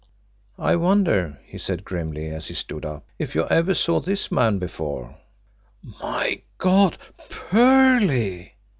"I wonder," he said grimly, as he stood up, "if you ever saw this man before?" "My God PERLEY!"